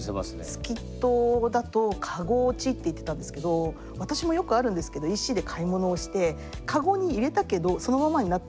スキットだと「カゴ落ち」って言ってたんですけど私もよくあるんですけどＥＣで買い物をして確かに。